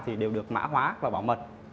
thì đều được mã hóa và bảo mật